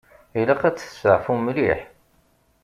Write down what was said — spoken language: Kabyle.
Ilaq ad testeɛfum mliḥ.